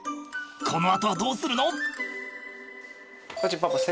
このあとはどうするの？